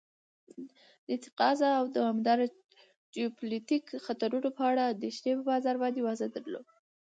د تقاضا او دوامداره جیوپولیتیک خطرونو په اړه اندیښنې په بازار باندې وزن درلود.